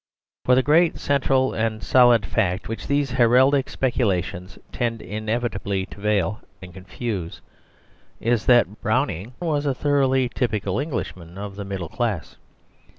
For the great central and solid fact, which these heraldic speculations tend inevitably to veil and confuse, is that Browning was a thoroughly typical Englishman of the middle class.